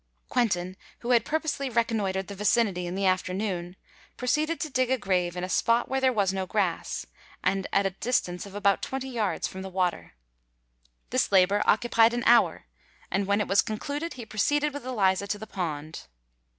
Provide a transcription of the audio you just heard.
Quentin, who had purposely reconnoitred the vicinity in the afternoon, proceeded to dig a grave in a spot where there was no grass, and at a distance of about twenty yards from the water. This labour occupied an hour: and, when it was concluded, he proceeded with Eliza to the pond.